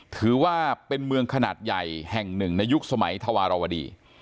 ถือว่าเป็นเมืองขนาดใหญ่แห่งหนึ่งในยุคสมัยธวารวดี